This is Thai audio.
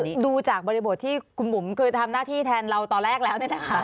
คือดูจากบริบทที่คุณหมุมคือทำหน้าที่แทนเราตอนแรกแล้ว